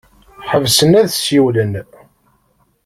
Ḥebsen ad ssiwlen.